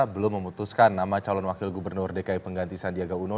belum memutuskan nama calon wakil gubernur dki pengganti sandiaga uno